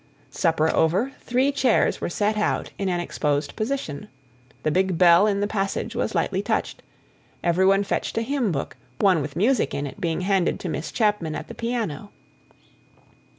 Supper over, three chairs were set out in an exposed position; the big bell in the passage was lightly touched; everyone fetched a hymn book, one with music in it being handed to Miss Chapman at the piano.